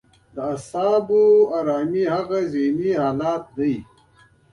د اعصابو ارامي هغه ذهني حالت دی.